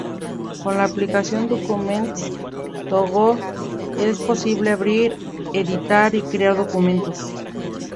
Con la aplicación Documents to Go es posible abrir, editar y crear documentos.